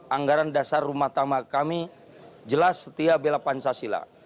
anggaran dasar rumah tama kami jelas setia bela pancasila